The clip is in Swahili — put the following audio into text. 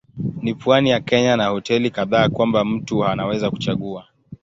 Ni pwani ya Kenya na hoteli kadhaa kwamba mtu anaweza kuchagua.